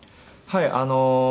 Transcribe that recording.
はい。